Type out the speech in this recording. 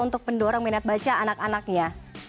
untuk mendorong minat baca anak anaknya